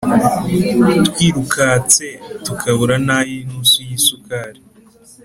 twirukatse tukabura nayinusu y’isukari